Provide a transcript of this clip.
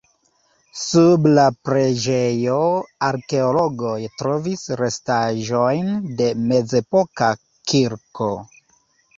Sub la preĝejo arkeologoj trovis restaĵojn de mezepoka kirko.